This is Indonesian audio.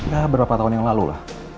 ya berapa tahun yang lalu lah